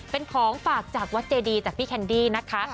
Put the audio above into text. เป็นของฝากจากวัดเจดีจากพี่แคนดี้นะคะ